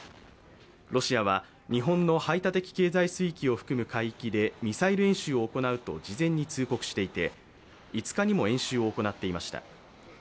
ロシアは日本の排他的経済水域を含む海域でミサイル演習を行うと事前に通告していて５日にも演習を行っていました。